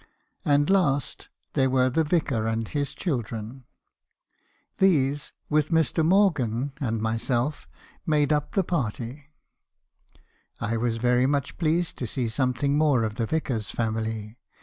And last, there were the vicar and his children. These , with Mr. Morgan and myself r 256 MR. HARRISONS CONFESSTOHS. made up the party. I was very much pleased to see something more of the vicar's family.